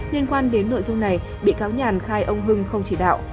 liên quan đến nội dung này bị cáo nhàn khai ông hưng không chỉ đạo